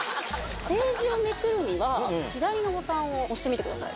ページをめくるには左のボタンを押してみてください。